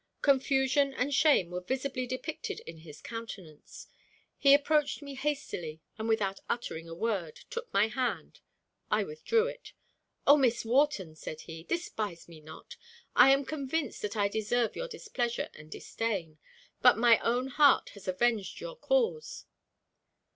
Confusion and shame were visibly depicted in his countenance. He approached me hastily and without uttering a word, took my hand. I withdrew it. "O Miss Wharton," said he, "despise me not. I am convinced that I deserve your displeasure and disdain; but my own heart has avenged your cause."